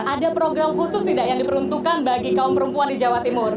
ada program khusus tidak yang diperuntukkan bagi kaum perempuan di jawa timur